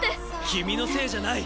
君のせいじゃない。